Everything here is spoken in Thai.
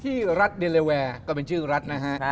ที่รัฐเดเลแวร์ก็เป็นชื่อรัฐนะฮะ